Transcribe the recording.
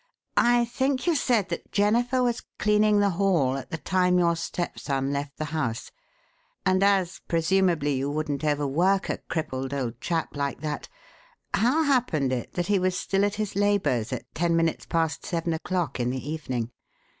"I think you said that Jennifer was cleaning the hall at the time your stepson left the house; and, as, presumably, you wouldn't overwork a crippled old chap like that, how happened it that he was still at his labours at ten minutes past seven o'clock in the evening?